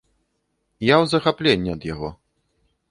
Я ў захапленні ад яго.